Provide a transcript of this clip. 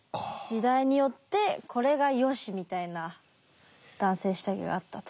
時代によってこれがよしみたいな男性下着があったと。